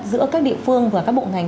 giữa các địa phương và các bộ ngành